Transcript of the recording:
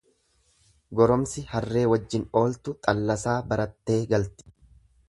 Goromsi harree wajjin ooltu xallaasaa barattee galti.